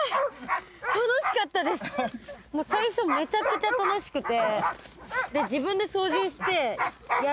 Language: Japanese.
最初めちゃくちゃ楽しくて。